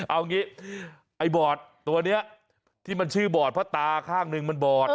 เอางี้ไอ้บอดตัวนี้ที่มันชื่อบอดเพราะตาข้างนึงมันบอด